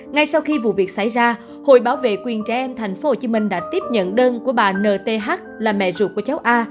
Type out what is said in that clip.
ngay sau khi vụ việc xảy ra hội bảo vệ quyền trẻ em tp hcm đã tiếp nhận đơn của bà nth là mẹ ruột của cháu a